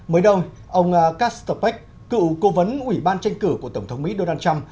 mới đông ông kastorpech cựu cố vấn ủy ban tranh cử của tổng thống mỹ donald trump